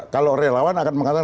kalau relawan akan mengatakan